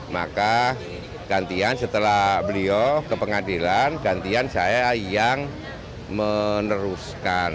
maka gantian setelah beliau ke pengadilan gantian saya yang meneruskan